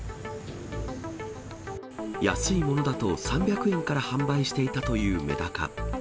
安いものだと３００円から販売していたというめだか。